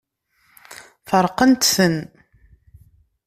Feṛqent-ten.